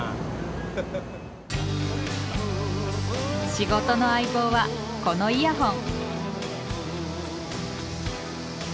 仕事の相棒はこのイヤホン。